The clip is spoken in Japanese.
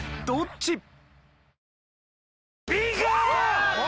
どっち？